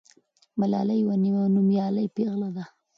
ملالۍ یوه نومیالۍ پیغله ده.